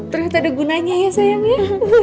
ternyata ada gunanya ya sayangnya